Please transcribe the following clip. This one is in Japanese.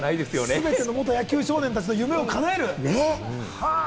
全ての野球少年たちの夢を叶える。